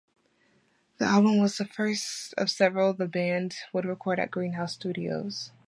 The album was the first of several the band would record at Greenhouse Studios.